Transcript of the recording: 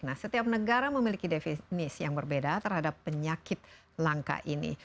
nah setiap negara memiliki definis yang berbeda terhadap penyakit langka ini